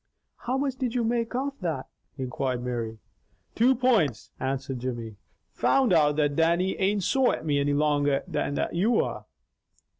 "How much did you make off that?" inquired Mary. "Two points," answered Jimmy. "Found out that Dannie ain't sore at me any longer and that you are."